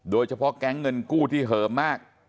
โดยเฉพาะแก๊งเงินกู้ที่เหิมมาก